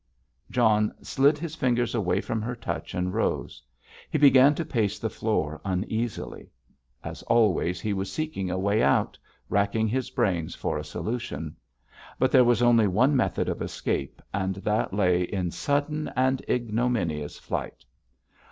John slid his fingers away from her touch and rose. He began to pace the floor uneasily. As always, he was seeking a way out, racking his brains for a solution. But there was only one method of escape, and that lay in sudden and ignominious flight.